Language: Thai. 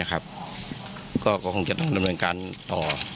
ก็คงแต่เหมือนกันต่อ